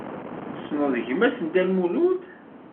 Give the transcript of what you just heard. Tessneḍ gma-s n Dda Lmulud?